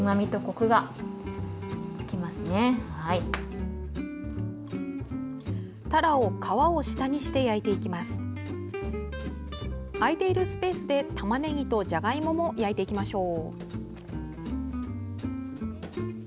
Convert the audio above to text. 空いているスペースでたまねぎとじゃがいもも焼いていきましょう。